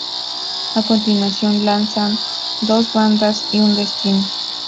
A continuación lanzan “Dos Bandas y un Destino.